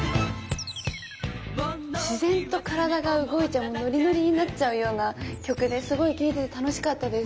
自然と体が動いてもうノリノリになっちゃうような曲ですごい聴いてて楽しかったです。